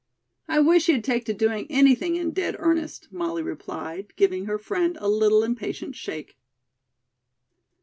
"I wish you'd take to doing anything in dead earnest," Molly replied, giving her friend a little impatient shake.